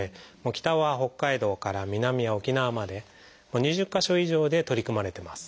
北は北海道から南は沖縄まで２０か所以上で取り組まれてます。